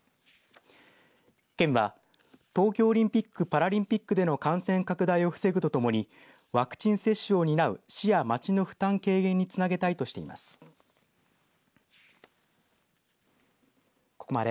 県は東京オリンピック・パラリンピックでの感染拡大を防ぐとともにワクチン接種を担う市や町の負担軽減につなげたいとしています。